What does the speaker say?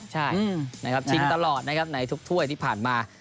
ใช่ทิ้งตลอดในทุกถ้วยผ่านมา